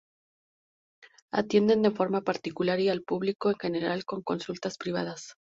Atiende de forma particular y al público en general con consultas privadas.